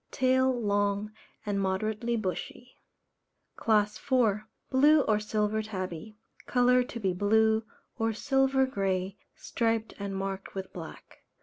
Tail long and moderately bushy. CLASS IV. Blue or Silver Tabby. Colour to be blue, or silver grey, striped and marked with black.